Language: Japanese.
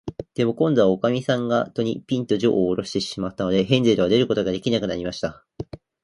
でも、こんどは、おかみさんが戸に、ぴんと、じょうをおろしてしまったので、ヘンゼルは出ることができなくなりました。